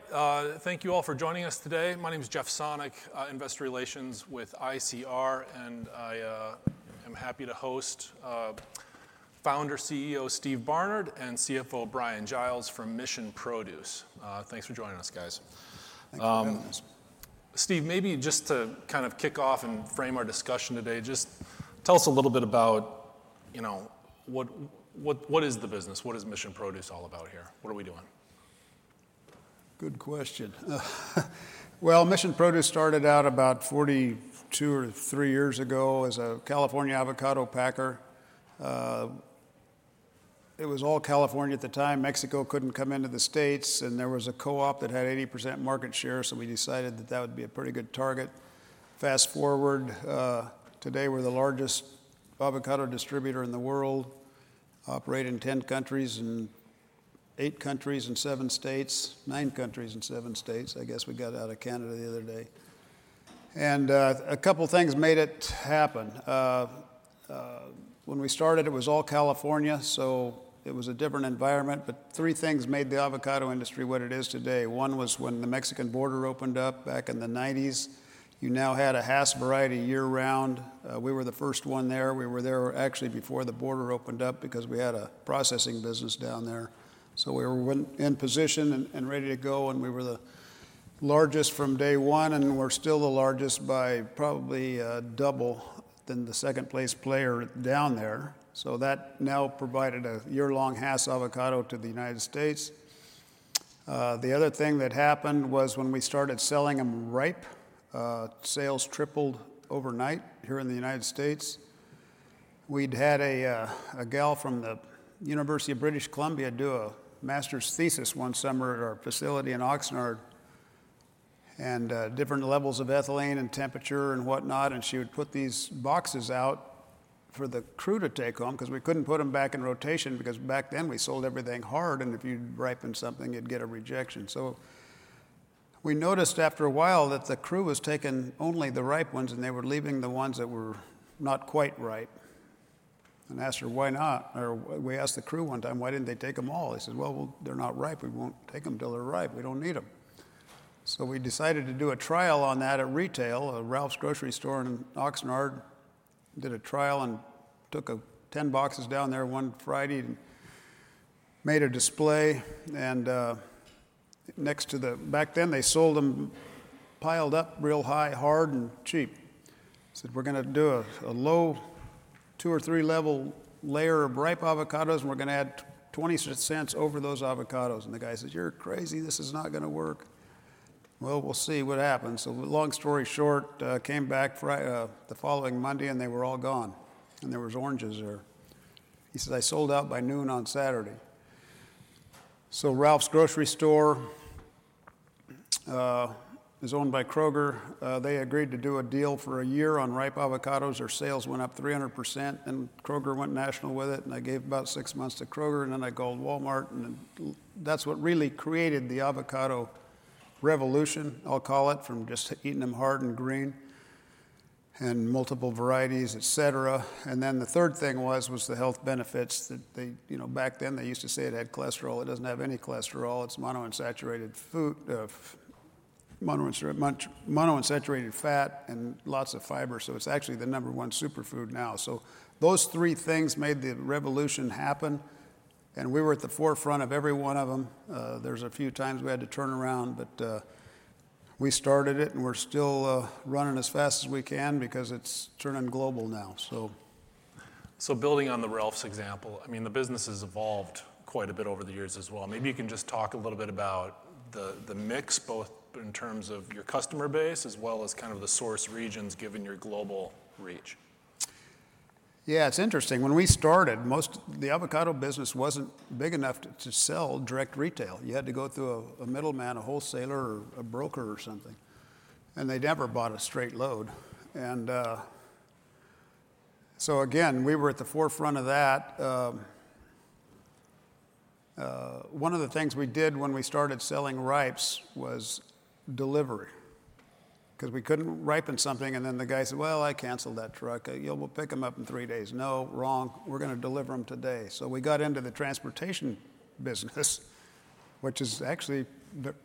Right. Thank you all for joining us today. My name is Jeff Sonnek, Investor Relations with ICR, and I am happy to host Founder CEO Steve Barnard and CFO Bryan Giles from Mission Produce. Thanks for joining us, guys. Thank you very much. Steve, maybe just to kind of kick off and frame our discussion today, just tell us a little bit about, you know, what is the business? What is Mission Produce all about here? What are we doing? Good question. Well, Mission Produce started out about 42 or 43 years ago as a California avocado packer. It was all California at the time. Mexico couldn't come into the States, and there was a co-op that had 80% market share, so we decided that that would be a pretty good target. Fast forward, today we're the largest avocado distributor in the world, operate in 10 countries and 8 countries and 7 states, 9 countries and 7 states. I guess we got out of Canada the other day, and a couple of things made it happen. When we started, it was all California, so it was a different environment, but three things made the avocado industry what it is today. One was when the Mexican border opened up back in the 1990s. You now had a Hass variety year-round. We were the first one there. We were there actually before the border opened up because we had a processing business down there. So we were in position and ready to go, and we were the largest from day one, and we're still the largest by probably double than the second place player down there. So that now provided a year-long Hass avocado to the United States. The other thing that happened was when we started selling them ripe, sales tripled overnight here in the United States. We'd had a gal from the University of British Columbia do a master's thesis one summer at our facility in Oxnard and different levels of ethylene and temperature and whatnot, and she would put these boxes out for the crew to take home because we couldn't put them back in rotation because back then we sold everything hard, and if you'd ripen something, you'd get a rejection. We noticed after a while that the crew was taking only the ripe ones, and they were leaving the ones that were not quite ripe. I asked her, "Why not?" We asked the crew one time, "Why didn't they take them all?" They said, "Well, they're not ripe. We won't take them till they're ripe. We don't need them." We decided to do a trial on that at retail, a Ralphs grocery store in Oxnard. Did a trial and took 10 boxes down there one Friday and made a display. Next to the back then, they sold them piled up real high, hard and cheap. Said, "We're going to do a low two or three level layer of ripe avocados, and we're going to add $0.20 over those avocados." The guy says, "You're crazy. This is not going to work," well, we'll see what happens. So long story short, came back the following Monday, and they were all gone, and there were oranges there. He says, "I sold out by noon on Saturday." So Ralph's grocery store is owned by Kroger. They agreed to do a deal for a year on ripe avocados. Their sales went up 300%, and Kroger went national with it, and I gave about six months to Kroger, and then I called Walmart, and that's what really created the avocado revolution, I'll call it, from just eating them hard and green and multiple varieties, et cetera, and then the third thing was the health benefits that they, you know, back then they used to say it had cholesterol. It doesn't have any cholesterol. It's monounsaturated fat, and lots of fiber, so it's actually the number one superfood now. So those three things made the revolution happen, and we were at the forefront of every one of them. There's a few times we had to turn around, but we started it, and we're still running as fast as we can because it's turning global now, so. So building on the Ralphs example, I mean, the business has evolved quite a bit over the years as well. Maybe you can just talk a little bit about the mix, both in terms of your customer base as well as kind of the source regions given your global reach. Yeah, it's interesting. When we started, most of the avocado business wasn't big enough to sell direct retail. You had to go through a middleman, a wholesaler, or a broker or something, and they never bought a straight load. And so again, we were at the forefront of that. One of the things we did when we started selling ripes was delivery because we couldn't ripen something, and then the guy said, "Well, I canceled that truck. We'll pick them up in three days." No, wrong. We're going to deliver them today. So we got into the transportation business, which is actually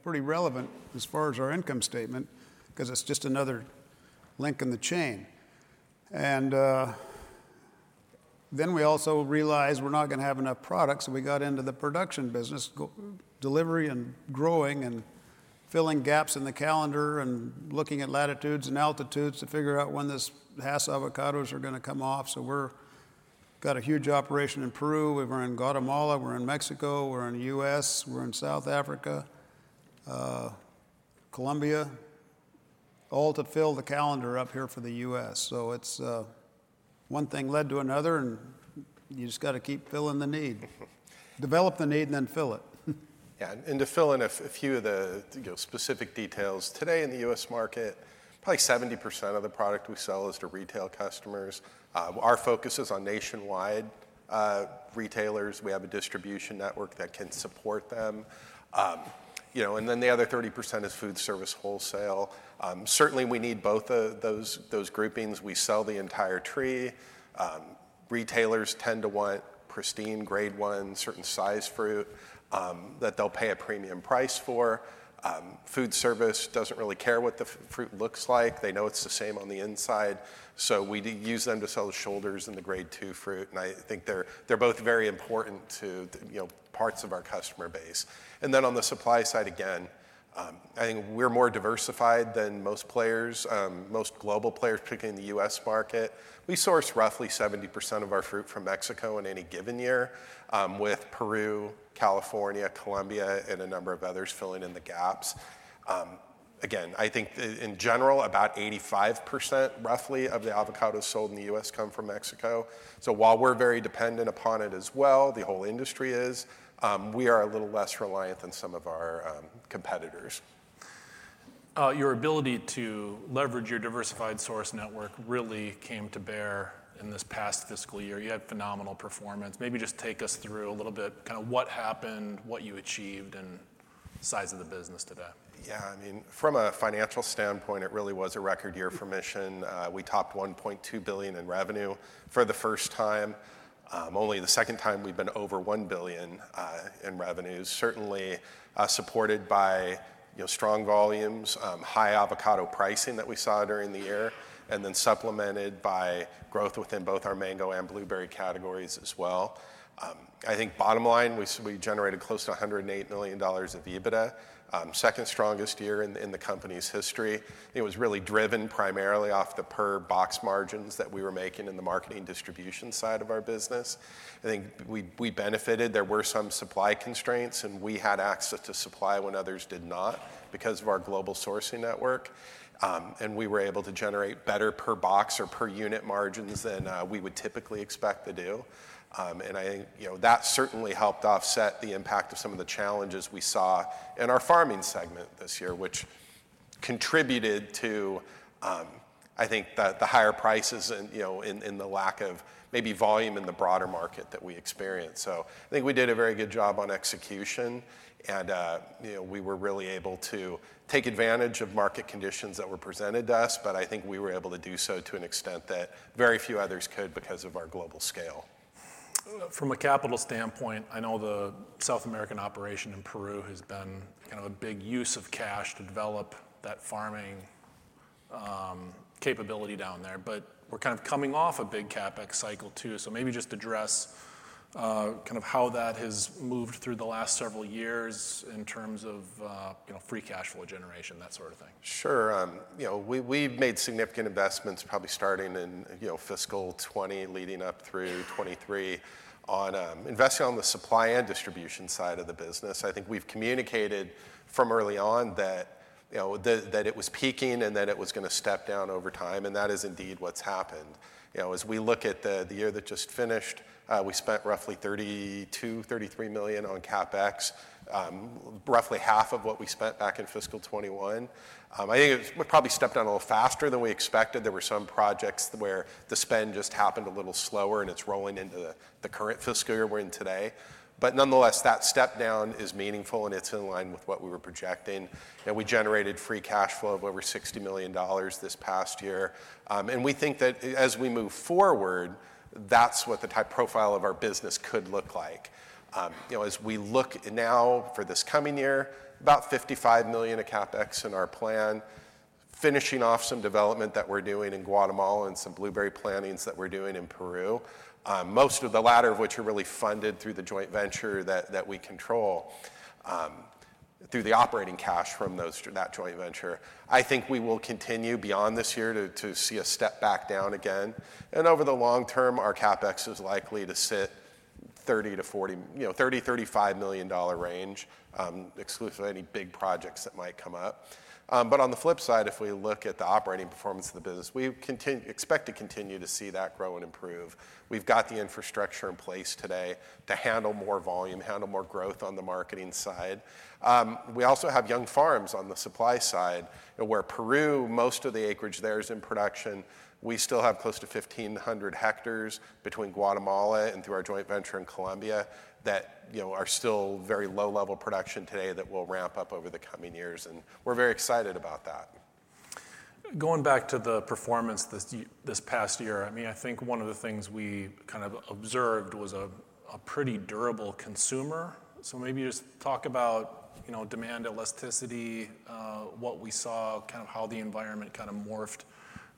pretty relevant as far as our income statement because it's just another link in the chain. And then we also realized we're not going to have enough product, so we got into the production business, delivery and growing and filling gaps in the calendar and looking at latitudes and altitudes to figure out when this Hass avocados are going to come off. So we've got a huge operation in Peru. We were in Guatemala. We're in Mexico. We're in the U.S. We're in South Africa, Colombia, all to fill the calendar up here for the U.S. So it's one thing led to another, and you just got to keep filling the need, develop the need, and then fill it. Yeah. And to fill in a few of the specific details, today in the U.S. market, probably 70% of the product we sell is to retail customers. Our focus is on nationwide retailers. We have a distribution network that can support them. You know, and then the other 30% is food service wholesale. Certainly, we need both of those groupings. We sell the entire tree. Retailers tend to want pristine grade one, certain size fruit that they'll pay a premium price for. Food service doesn't really care what the fruit looks like. They know it's the same on the inside. So we use them to sell the shoulders and the grade two fruit, and I think they're both very important to parts of our customer base. And then on the supply side, again, I think we're more diversified than most players, most global players, particularly in the U.S. market. We source roughly 70% of our fruit from Mexico in any given year, with Peru, California, Colombia, and a number of others filling in the gaps. Again, I think in general, about 85% roughly of the avocados sold in the U.S. come from Mexico. So while we're very dependent upon it as well, the whole industry is, we are a little less reliant than some of our competitors. Your ability to leverage your diversified source network really came to bear in this past fiscal year. You had phenomenal performance. Maybe just take us through a little bit, kind of what happened, what you achieved, and size of the business today. Yeah. I mean, from a financial standpoint, it really was a record year for Mission. We topped $1.2 billion in revenue for the first time. Only the second time we've been over $1 billion in revenues. Certainly supported by strong volumes, high avocado pricing that we saw during the year, and then supplemented by growth within both our mango and blueberry categories as well. I think bottom line, we generated close to $108 million of EBITDA, second strongest year in the company's history. It was really driven primarily off the per box margins that we were making in the marketing distribution side of our business. I think we benefited. There were some supply constraints, and we had access to supply when others did not because of our global sourcing network, and we were able to generate better per box or per unit margins than we would typically expect to do. I think that certainly helped offset the impact of some of the challenges we saw in our farming segment this year, which contributed to, I think, the higher prices and the lack of maybe volume in the broader market that we experienced. I think we did a very good job on execution, and we were really able to take advantage of market conditions that were presented to us, but I think we were able to do so to an extent that very few others could because of our global scale. From a capital standpoint, I know the South American operation in Peru has been kind of a big use of cash to develop that farming capability down there, but we're kind of coming off a big CapEx cycle too. So maybe just address kind of how that has moved through the last several years in terms of free cash flow generation, that sort of thing. Sure. You know, we've made significant investments probably starting in fiscal 2020, leading up through 2023 on investing on the supply and distribution side of the business. I think we've communicated from early on that it was peaking and that it was going to step down over time, and that is indeed what's happened. As we look at the year that just finished, we spent roughly $32-$33 million on CapEx, roughly half of what we spent back in fiscal 2021. I think it probably stepped down a little faster than we expected. There were some projects where the spend just happened a little slower, and it's rolling into the current fiscal year we're in today, but nonetheless, that step down is meaningful, and it's in line with what we were projecting, and we generated free cash flow of over $60 million this past year. We think that as we move forward, that's what the type profile of our business could look like. As we look now for this coming year, about $55 million of CapEx in our plan, finishing off some development that we're doing in Guatemala and some blueberry plantings that we're doing in Peru, most of the latter of which are really funded through the joint venture that we control through the operating cash from that joint venture. I think we will continue beyond this year to see a step back down again. Over the long term, our CapEx is likely to sit in the $30-$35 million range exclusive of any big projects that might come up. But on the flip side, if we look at the operating performance of the business, we expect to continue to see that grow and improve. We've got the infrastructure in place today to handle more volume, handle more growth on the marketing side. We also have young farms on the supply side where Peru, most of the acreage there is in production. We still have close to 1,500 hectares between Guatemala and through our joint venture in Colombia that are still very low-level production today that will ramp up over the coming years, and we're very excited about that. Going back to the performance this past year, I mean, I think one of the things we kind of observed was a pretty durable consumer. So maybe just talk about demand elasticity, what we saw, kind of how the environment kind of morphed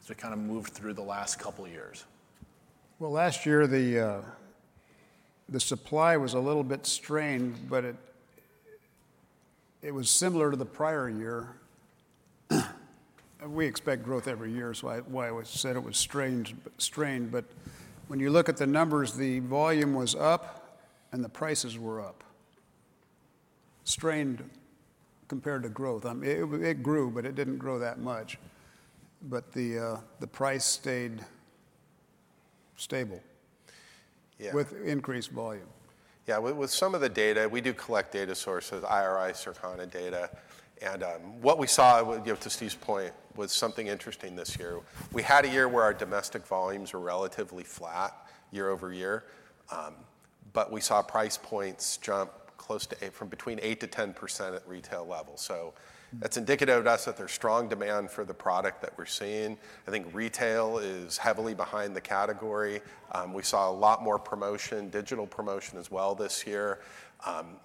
as we kind of moved through the last couple of years. Last year, the supply was a little bit strained, but it was similar to the prior year. We expect growth every year, so I always said it was strained, but when you look at the numbers, the volume was up and the prices were up, strained compared to growth. It grew, but it didn't grow that much, but the price stayed stable with increased volume. Yeah. With some of the data, we do collect data sources, IRI, Circana data. And what we saw, to Steve's point, was something interesting this year. We had a year where our domestic volumes were relatively flat year over year, but we saw price points jump close to between 8%-10% at retail level. So that's indicative of us that there's strong demand for the product that we're seeing. I think retail is heavily behind the category. We saw a lot more promotion, digital promotion as well this year.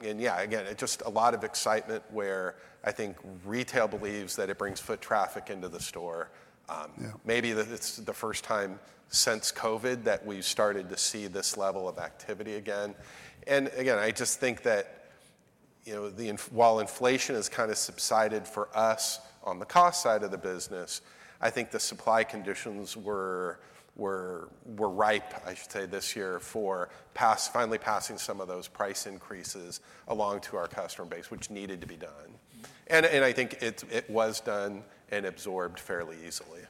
And yeah, again, just a lot of excitement where I think retail believes that it brings foot traffic into the store. Maybe it's the first time since COVID that we've started to see this level of activity again. Again, I just think that while inflation has kind of subsided for us on the cost side of the business, I think the supply conditions were ripe, I should say, this year for finally passing some of those price increases along to our customer base, which needed to be done. I think it was done and absorbed fairly easily.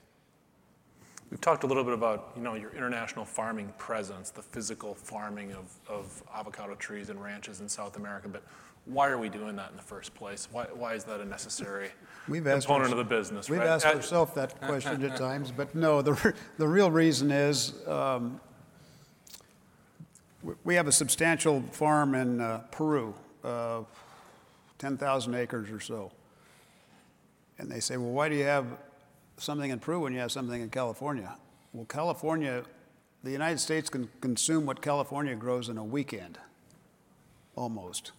We've talked a little bit about your international farming presence, the physical farming of avocado trees and ranches in South America, but why are we doing that in the first place? Why is that a necessary component of the business? We've asked ourselves that question at times, but no, the real reason is we have a substantial farm in Peru, 10,000 acres or so. And they say, "Well, why do you have something in Peru when you have something in California?" Well, California, the United States can consume what California grows in a weekend, almost.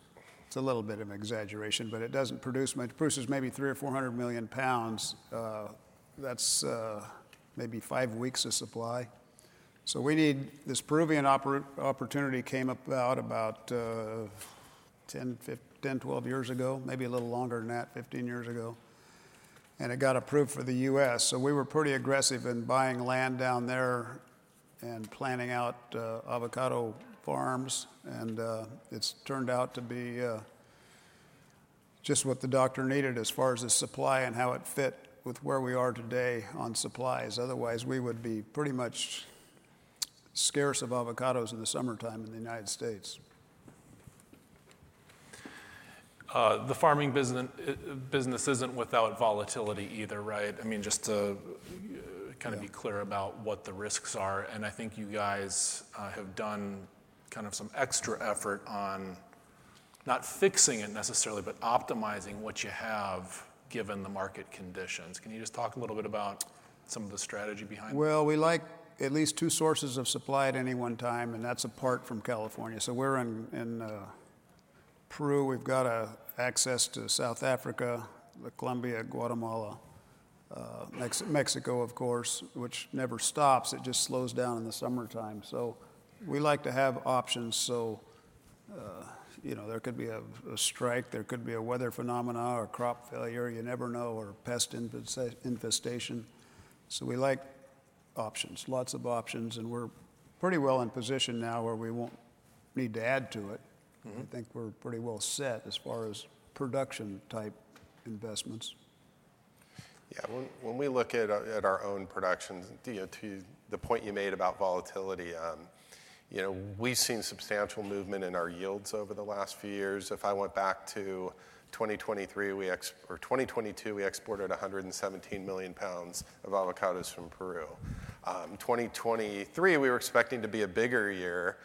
It's a little bit of an exaggeration, but it doesn't produce much. It produces maybe 300 or 400 million pounds. That's maybe five weeks of supply. So we need this Peruvian opportunity came about about 10, 12 years ago, maybe a little longer than that, 15 years ago, and it got approved for the U.S. So we were pretty aggressive in buying land down there and planning out avocado farms, and it's turned out to be just what the doctor needed as far as the supply and how it fit with where we are today on supplies. Otherwise, we would be pretty much scarce of avocados in the summertime in the United States. The farming business isn't without volatility either, right? I mean, just to kind of be clear about what the risks are, and I think you guys have done kind of some extra effort on not fixing it necessarily, but optimizing what you have given the market conditions. Can you just talk a little bit about some of the strategy behind it? We like at least two sources of supply at any one time, and that's apart from California. We're in Peru. We've got access to South Africa, Colombia, Guatemala, Mexico, of course, which never stops. It just slows down in the summertime. We like to have options. There could be a strike, there could be a weather phenomenon or crop failure, you never know, or pest infestation. We like options, lots of options, and we're pretty well in position now where we won't need to add to it. I think we're pretty well set as far as production-type investments. Yeah. When we look at our own productions, to the point you made about volatility, we've seen substantial movement in our yields over the last few years. If I went back to 2022, we exported 117 million pounds of avocados from Peru. 2023, we were expecting to be a bigger year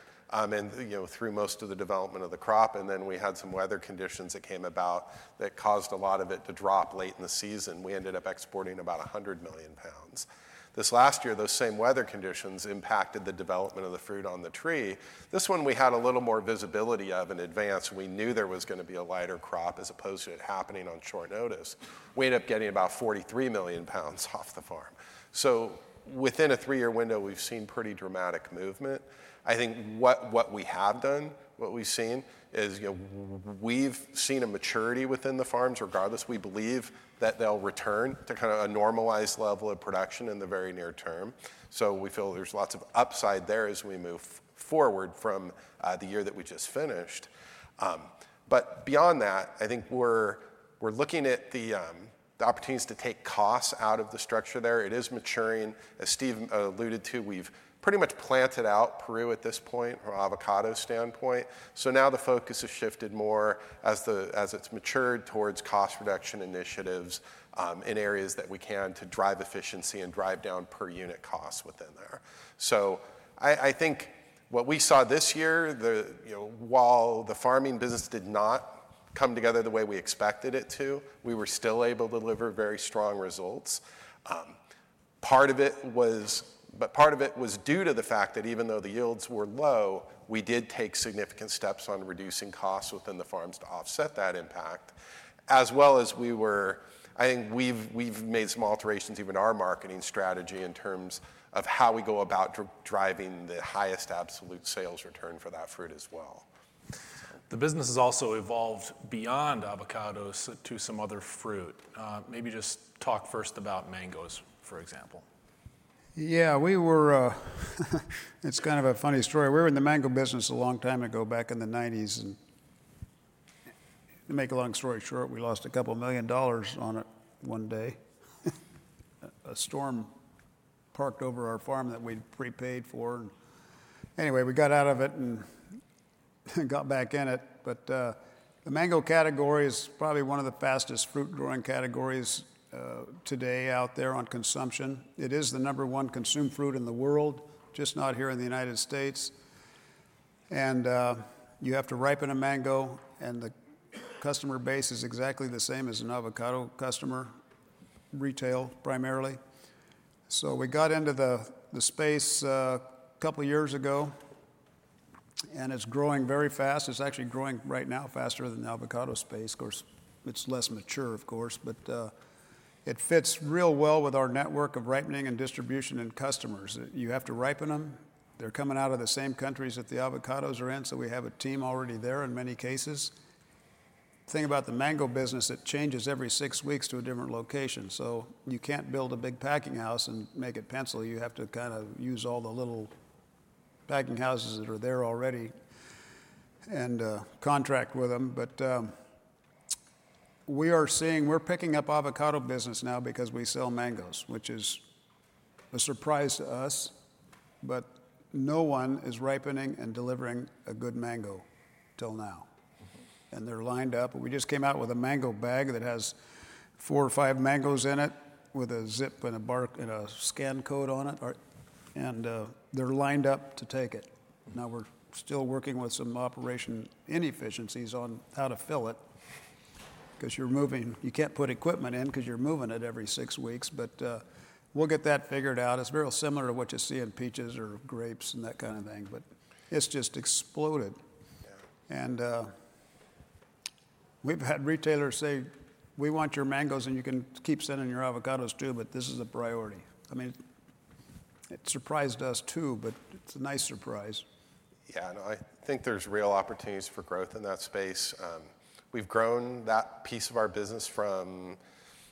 through most of the development of the crop, and then we had some weather conditions that came about that caused a lot of it to drop late in the season. We ended up exporting about 100 million pounds. This last year, those same weather conditions impacted the development of the fruit on the tree. This one, we had a little more visibility of in advance. We knew there was going to be a lighter crop as opposed to it happening on short notice. We ended up getting about 43 million pounds off the farm. So within a three-year window, we've seen pretty dramatic movement. I think what we have done, what we've seen is we've seen a maturity within the farms, regardless. We believe that they'll return to kind of a normalized level of production in the very near term. So we feel there's lots of upside there as we move forward from the year that we just finished. But beyond that, I think we're looking at the opportunities to take costs out of the structure there. It is maturing. As Steve alluded to, we've pretty much planted out Peru at this point from an avocado standpoint. So now the focus has shifted more as it's matured towards cost reduction initiatives in areas that we can to drive efficiency and drive down per unit costs within there. So I think what we saw this year, while the farming business did not come together the way we expected it to, we were still able to deliver very strong results. But part of it was due to the fact that even though the yields were low, we did take significant steps on reducing costs within the farms to offset that impact, as well as we were, I think we've made some alterations even in our marketing strategy in terms of how we go about driving the highest absolute sales return for that fruit as well. The business has also evolved beyond avocados to some other fruit. Maybe just talk first about mangoes, for example. Yeah. It's kind of a funny story. We were in the mango business a long time ago back in the 1990s. And to make a long story short, we lost $2 million on it one day. A storm parked over our farm that we'd prepaid for. Anyway, we got out of it and got back in it. But the mango category is probably one of the fastest fruit-growing categories today out there on consumption. It is the number one consumed fruit in the world, just not here in the United States. And you have to ripen a mango, and the customer base is exactly the same as an avocado customer, retail primarily. So we got into the space a couple of years ago, and it's growing very fast. It's actually growing right now faster than the avocado space. Of course, it's less mature, of course, but it fits real well with our network of ripening and distribution and customers. You have to ripen them. They're coming out of the same countries that the avocados are in, so we have a team already there in many cases. The thing about the mango business, it changes every six weeks to a different location. So you can't build a big packing house and make it pencil. You have to kind of use all the little packing houses that are there already and contract with them. But we are seeing we're picking up avocado business now because we sell mangoes, which is a surprise to us, but no one is ripening and delivering a good mango till now. And they're lined up. We just came out with a mango bag that has four or five mangoes in it with a zip and a scan code on it, and they're lined up to take it. Now we're still working with some operational inefficiencies on how to fill it because you can't put equipment in because you're moving it every six weeks. But we'll get that figured out. It's very similar to what you see in peaches or grapes and that kind of thing, but it's just exploded. And we've had retailers say, "We want your mangoes, and you can keep sending your avocados too, but this is a priority." I mean, it surprised us too, but it's a nice surprise. Yeah. I think there's real opportunities for growth in that space. We've grown that piece of our business from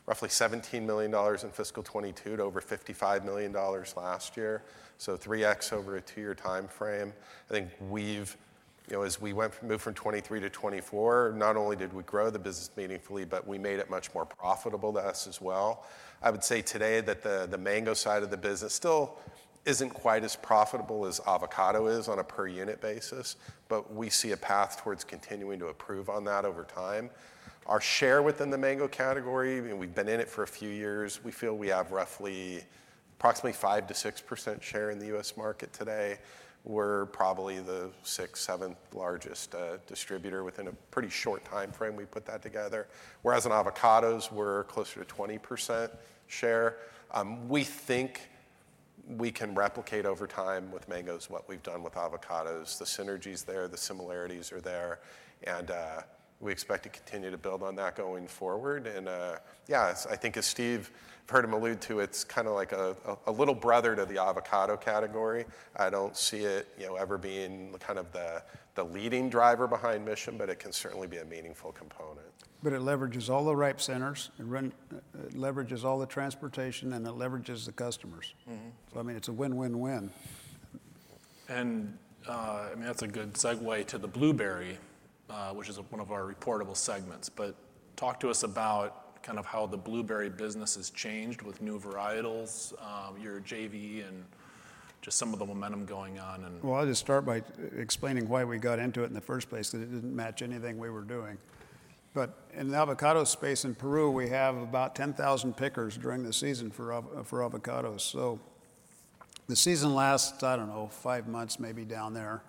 roughly $17 million in fiscal 2022 to over $55 million last year, so 3x over a two-year timeframe. I think as we moved from 2023 to 2024, not only did we grow the business meaningfully, but we made it much more profitable to us as well. I would say today that the mango side of the business still isn't quite as profitable as avocado is on a per-unit basis, but we see a path towards continuing to improve on that over time. Our share within the mango category, we've been in it for a few years. We feel we have roughly approximately 5%-6% share in the U.S. market today. We're probably the sixth, seventh largest distributor within a pretty short timeframe we put that together. Whereas in avocados, we're closer to 20% share. We think we can replicate over time with mangoes what we've done with avocados. The synergies there, the similarities are there, and we expect to continue to build on that going forward. And yeah, I think as Steve heard him allude to, it's kind of like a little brother to the avocado category. I don't see it ever being kind of the leading driver behind Mission, but it can certainly be a meaningful component. But it leverages all the ripening centers, it leverages all the transportation, and it leverages the customers. So I mean, it's a win-win-win. I mean, that's a good segue to the blueberry, which is one of our reportable segments. Talk to us about kind of how the blueberry business has changed with new varietals, your JV, and just some of the momentum going on. I'll just start by explaining why we got into it in the first place, that it didn't match anything we were doing. In the avocado space in Peru, we have about 10,000 pickers during the season for avocados. The season lasts, I don't know, five months, maybe down there.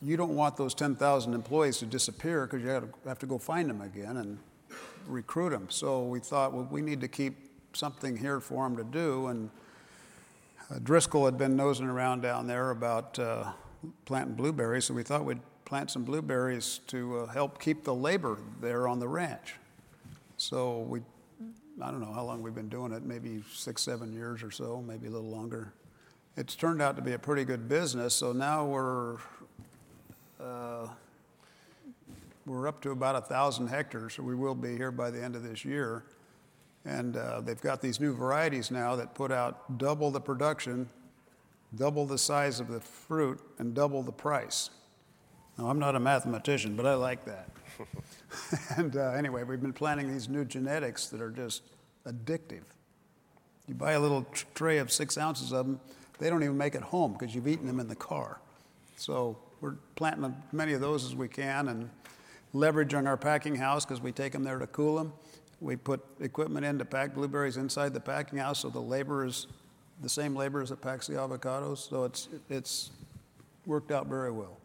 You don't want those 10,000 employees to disappear because you have to go find them again and recruit them. We thought, "Well, we need to keep something here for them to do." Driscoll had been nosing around down there about planting blueberries, so we thought we'd plant some blueberries to help keep the labor there on the ranch. I don't know how long we've been doing it, maybe six, seven years or so, maybe a little longer. It's turned out to be a pretty good business. Now we're up to about 1,000 hectares. We will be here by the end of this year, and they've got these new varieties now that put out double the production, double the size of the fruit, and double the price. Now, I'm not a mathematician, but I like that, and anyway, we've been planting these new genetics that are just addictive. You buy a little tray of six ounces of them, they don't even make it home because you've eaten them in the car, so we're planting as many of those as we can and leveraging our packing house because we take them there to cool them. We put equipment in to pack blueberries inside the packing house, so the labor is the same labor as it packs the avocados, so it's worked out very well.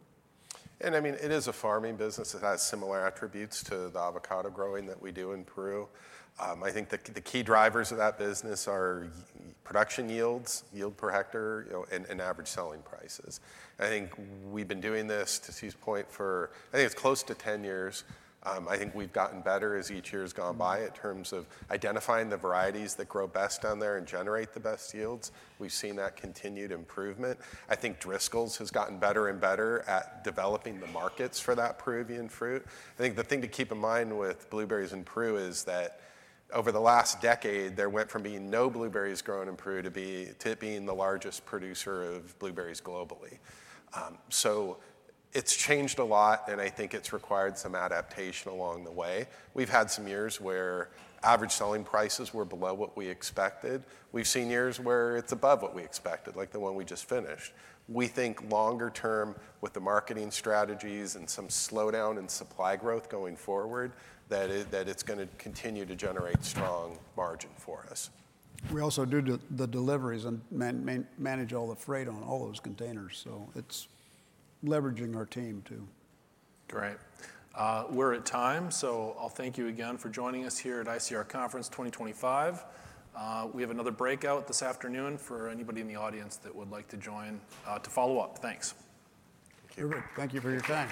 I mean, it is a farming business that has similar attributes to the avocado growing that we do in Peru. I think the key drivers of that business are production yields, yield per hectare, and average selling prices. I think we've been doing this, to Steve's point, for I think it's close to 10 years. I think we've gotten better as each year has gone by in terms of identifying the varieties that grow best down there and generate the best yields. We've seen that continued improvement. I think Driscoll's has gotten better and better at developing the markets for that Peruvian fruit. I think the thing to keep in mind with blueberries in Peru is that over the last decade, there went from being no blueberries grown in Peru to being the largest producer of blueberries globally. So it's changed a lot, and I think it's required some adaptation along the way. We've had some years where average selling prices were below what we expected. We've seen years where it's above what we expected, like the one we just finished. We think longer term, with the marketing strategies and some slowdown in supply growth going forward, that it's going to continue to generate strong margin for us. We also do the deliveries and manage all the freight on all those containers. So it's leveraging our team too. Great. We're at time, so I'll thank you again for joining us here at ICR Conference 2025. We have another breakout this afternoon for anybody in the audience that would like to join to follow up. Thanks. Thank you for your time.